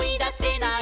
ない！